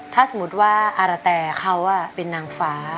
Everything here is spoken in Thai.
ถ้าสมมุติว่าอารแต่เขาเป็นนางฟ้า